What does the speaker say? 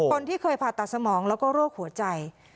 คนที่เคยผ่าตัดสมองแล้วก็โรคหัวใจ